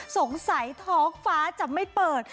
สงสัยท้องฟ้าจะไม่เปิด